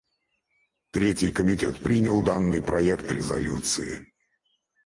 Третий комитет принял данный проект резолюции.